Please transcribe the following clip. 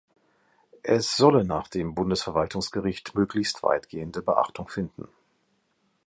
Es solle nach dem Bundesverwaltungsgericht möglichst weitgehende Beachtung finden.